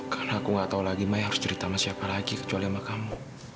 karena aku nggak tahu lagi maya harus cerita sama siapa lagi kecuali sama kamu